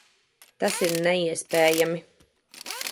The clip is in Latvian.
Tas ir neiespējami!